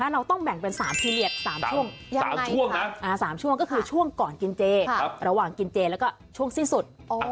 เราต้องแบ่งเป็น๓พีเรียส๓ช่วง๓ช่วงก็คือช่วงก่อนกินเจระหว่างกินเจแล้วก็ช่วงสิ้นสุด